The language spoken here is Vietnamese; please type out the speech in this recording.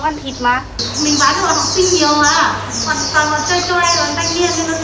nên nó thích những con xúc như này này